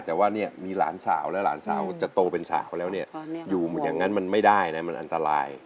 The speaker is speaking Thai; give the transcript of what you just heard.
แต่ว่าเนี่ยมีหลานสาวและหลานสาวจะโตเป็นสาวแล้วเนี่ยอยู่อย่างนั้นมันไม่ได้นะมันอันตราย